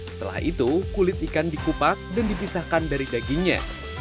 setelah itu kulit ikan dikupas dan dipisahkan dari dagingnya